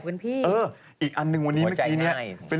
เหมือนอันนึงเลย